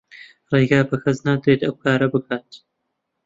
ڕێگە بە کەس نادرێت ئەو کارە بکات.